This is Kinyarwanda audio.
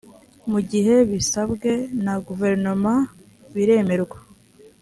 mu gihe bisabwe na guverinoma biremerwa